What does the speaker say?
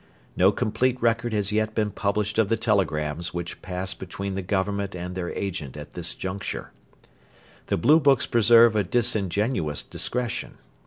No complete record has yet been published of the telegrams which passed between the Government and their agent at this juncture. The Blue books preserve a disingenuous discretion.